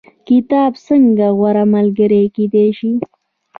کتاب څنګه غوره ملګری کیدی شي؟